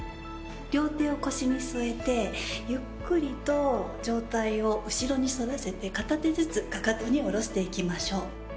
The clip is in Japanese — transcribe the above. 両手を腰に添えてゆっくりと上体を後ろに反らせて片手ずつかかとに下ろしていきましょう。